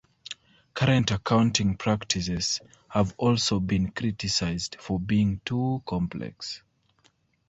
Current accounting practices have also been criticised for being too complex.